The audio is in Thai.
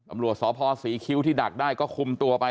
ตำรวจสพศรีคิ้วที่ดักได้ก็คุมตัวไป